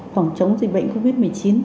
phòng chống dịch bệnh covid một mươi chín